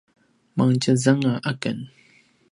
mangtjezanga aken